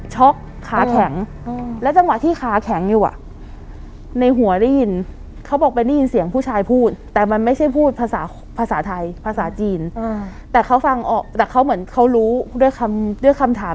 ฮ่อยมาข้างหน้าถ้ามองจากข้างหลังก็เหมือนคนก้มหัวฮื้ย